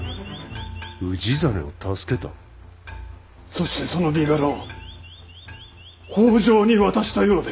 そしてその身柄を北条に渡したようで。